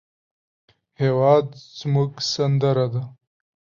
هېواد زموږ سندره ده